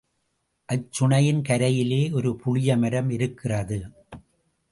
அச்சுனையின் கரையிலே ஒரு புளிய மரம் இருக்கிறது.